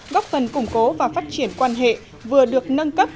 góp phần củng cố và phát triển quan hệ vừa được nâng cấp